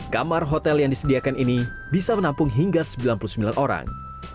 kamar hotel yang disediakan ini bisa menampung hingga sembilan puluh sembilan orang